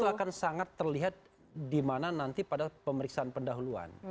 itu akan sangat terlihat di mana nanti pada pemeriksaan pendahuluan